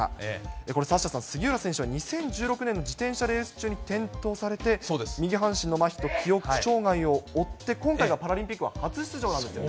これ、サッシャさん、杉浦選手は２０１６年の自転車レース中に転倒されて、右半身のまひと記憶障害を負って、今回がパラリンピックは初出場なんですよね。